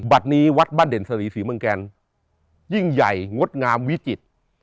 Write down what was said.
วัดนี้วัดบ้านเด่นสรีศรีเมืองแกนยิ่งใหญ่งดงามวิจิตร